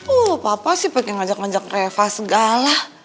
uh papa sih pengen ngajak ngajak reva segala